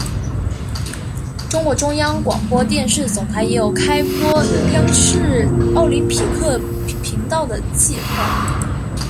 中国中央广播电视总台也有开播央视奥林匹克频道的计划。